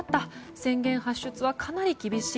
宣言発出はかなり厳しい。